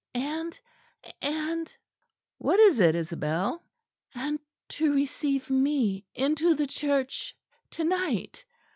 "And and " "What is it, Isabel?" "And to receive me into the Church to night."